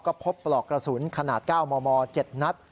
ก็พบปลอกกระสุนขนาด๙มม๗นัด